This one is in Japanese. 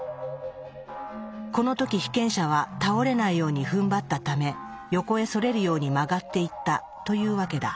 この時被験者は倒れないようにふんばったため横へそれるように曲がっていったというわけだ。